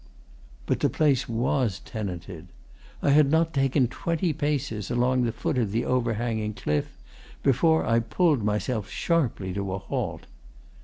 But the place was tenanted. I had not taken twenty paces along the foot of the overhanging cliff before I pulled myself sharply to a halt.